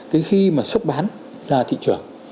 cái khi mà xúc bán ra thị trường